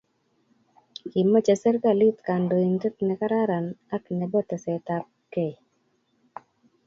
Kimoche serkalit kandoindet ne kararan and nebo tesetait abkei